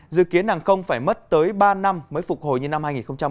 dự kiến hàng không phải mất tới ba năm mới phục hồi như năm hai nghìn một mươi chín